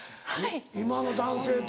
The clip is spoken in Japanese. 今の男性と。